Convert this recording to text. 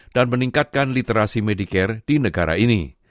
dan meningkatkan literasi medicare di negara ini